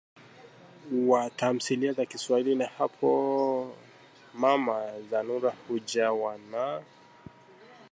wa tamthilia za kiswahili na hapo mama Zanura hujawa na